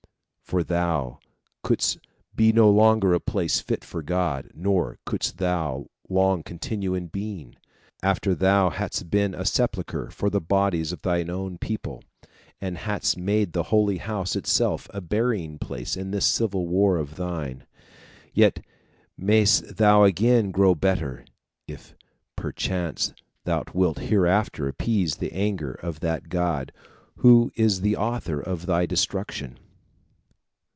'For thou couldst be no longer a place fit for God, nor couldst thou long continue in being, after thou hadst been a sepulcher for the bodies of thy own people, and hadst made the holy house itself a burying place in this civil war of thine. Yet mayst thou again grow better, if perchance thou wilt hereafter appease the anger of that God who is the author of thy destruction."